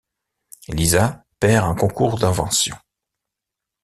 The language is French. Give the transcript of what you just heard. Lisa perd un concours d'inventions.